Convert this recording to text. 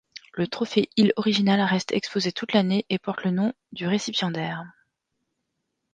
Le trophée Hill original reste exposé toute l’année et porte le nom du récipiendaire.